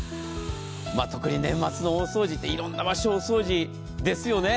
特に年末の大掃除はいろんな場所をお掃除ですよね。